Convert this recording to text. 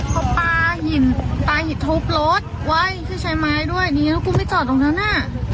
เขาปลาหินปลาหินทุบรถเว้ยคือใช้ไม้ด้วยนี่แล้วกูไม่จอดตรงนั้นน่ะ